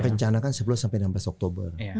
rencanakan sepuluh sampai enam belas oktober